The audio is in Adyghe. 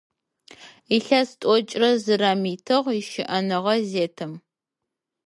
Илъэс тӏокӏрэ зырэм итыгъ ищыӏэныгъэ зетым.